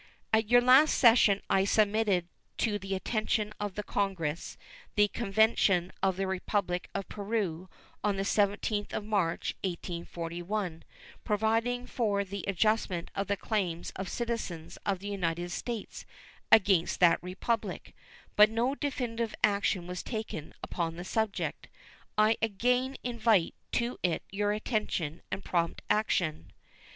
At your last session I submitted to the attention of Congress the convention with the Republic of Peru of the 17th March, 1841, providing for the adjustment of the claims of citizens of the United States against that Republic, but no definitive action was taken upon the subject. I again invite to it your attention and prompt action.